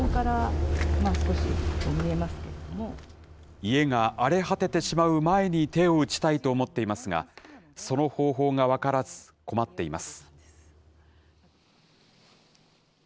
家が荒れ果ててしまう前に手を打ちたいと思っていますが、その方法が分からず、困っています。